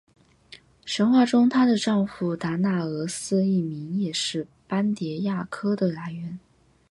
神话中她的丈夫达那俄斯一名也是斑蝶亚科的来源。